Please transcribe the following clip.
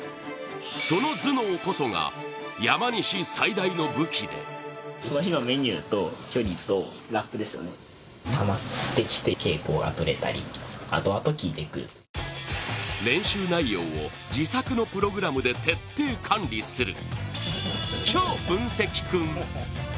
その頭脳こそが山西最大の武器で練習内容を自作のプログラムで徹底管理する超分析君。